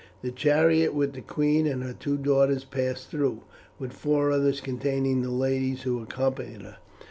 The chariot with the queen and her two daughters passed through, with four others containing the ladies who accompanied her.